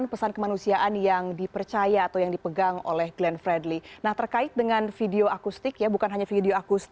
kalau anda bicara tentang glenn fredly itu luar biasa